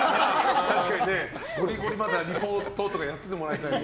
確かに、ゴリゴリまだリポートとかやっててもらいたい。